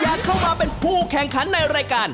อยากเข้ามาเป็นผู้แข่งขันในรายการ